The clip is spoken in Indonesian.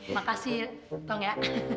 makasih tong ya